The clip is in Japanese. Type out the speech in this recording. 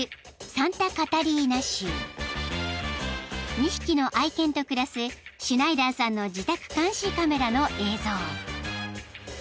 ［２匹の愛犬と暮らすシュナイダーさんの自宅監視カメラの映像］